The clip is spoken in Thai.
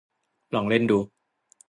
ลองเล่นดู